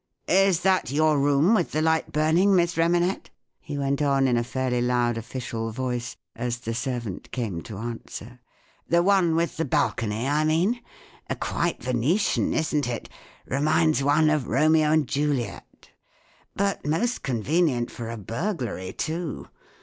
" Is that your room with the light burning, Miss Remanet ?" he went on, in a fairly loud official voice, as the servant came to answer. " The one with the balcony, I mean ? Quite Venetian, isn't it ? Reminds one of Romeo and Juliet But most convenient for a burg¬ lary, too